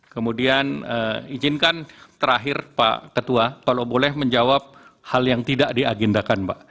kemudian izinkan terakhir pak ketua kalau boleh menjawab hal yang tidak diagendakan mbak